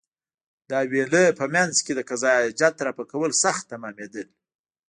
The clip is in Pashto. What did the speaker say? د حویلۍ په مېنځ کې د قضای حاجت رفع کول سخت تمامېدل.